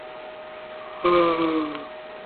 灰刻齿雀鲷为雀鲷科刻齿雀鲷属的鱼类。